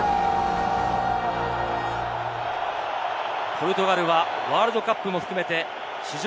ポルトガルはワールドカップも含めて史上